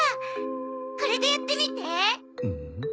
これでやってみて！